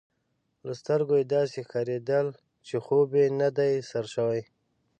له سترګو يې داسي ښکارېدل، چي خوب یې نه دی سر شوی.